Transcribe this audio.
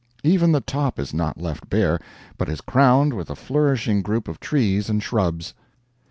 Even the top is not left bare, but is crowned with a flourishing group of trees and shrubs.